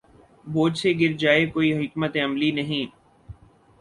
بوجھ سے گر جائے کوئی حکمت عملی نہیں